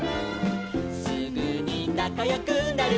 「すぐになかよくなるの」